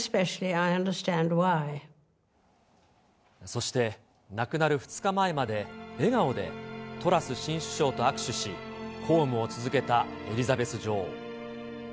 そして、亡くなる２日前まで笑顔でトラス新首相と握手し、公務を続けたエリザベス女王。